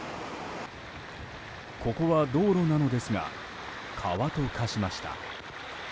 ここは道路なのですが川と化しました。